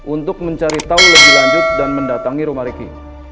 untuk mencari tahu lebih lanjut dan mendatangi rumah riki